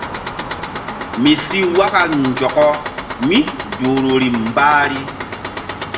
Mi si waka nzɔkɔ mí duhruri mbahri.